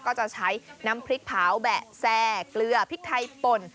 ก็จะใช้น้ำพริกเผาแบะแซ่เกลือพริกไทยป่น